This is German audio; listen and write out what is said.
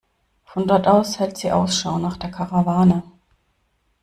Von dort hält sie Ausschau nach der Karawane.